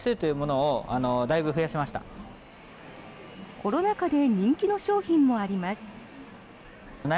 コロナ禍で人気の商品もあります。